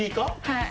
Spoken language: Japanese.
はい。